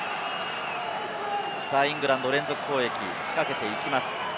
イングランド、連続攻撃を仕掛けていきます。